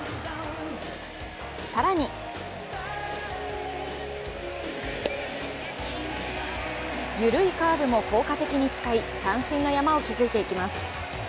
更に緩いカーブも効果的に使い三振の山を築いていきます。